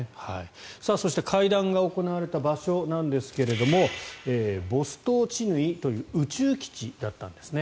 そして会談が行われた場所ですがボストーチヌイという宇宙基地だったんですね。